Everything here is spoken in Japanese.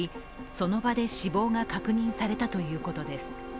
その場で死亡が確認されたということです。